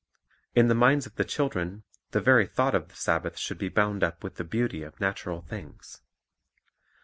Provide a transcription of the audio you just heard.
.In the minds of the children the very thought of the Sabbath should be bound up with the beauty of natural things.